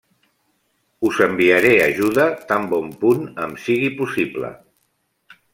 Us enviaré ajuda tan bon punt em sigui possible.